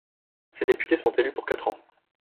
Ses députés sont élus pour quatre ans.